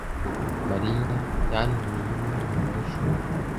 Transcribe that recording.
Mariya yantumiye iwe nyuma yishuri.